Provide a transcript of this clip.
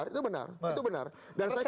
itu benar itu benar